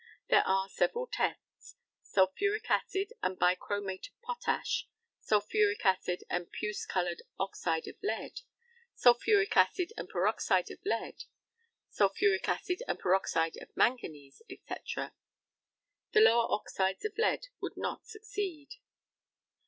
There are several tests sulphuric acid and bichromate of potash, sulphuric acid and puce coloured oxide of lead, sulphuric acid and peroxide of lead, sulphuric acid and peroxide of manganese, &c. The lower oxides of lead would not succeed.